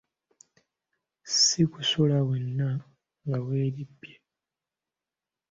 Si kusula nga wenna weerippye.